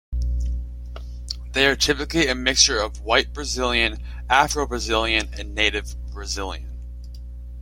They are typically a mixture of white Brazilian, Afro-Brazilian and Native Brazilian.